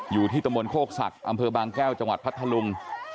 อยู่ที่ตำบลโคกศักดิ์อำเภอบางแก้วจังหวัดพัทธลุง